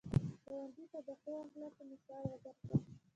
ګاونډي ته د ښه اخلاقو مثال وګرځه